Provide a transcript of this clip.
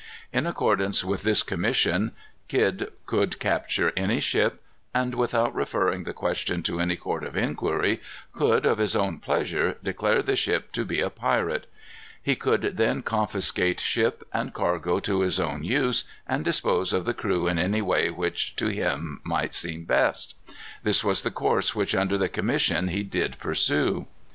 In accordance with this commission, Kidd could capture any ship, and, without referring the question to any court of inquiry, could, of his own pleasure, declare the ship to be a pirate. He could then confiscate ship and cargo to his own use, and dispose of the crew in any way which to him might seem best. This was the course which, under the commission, he did pursue.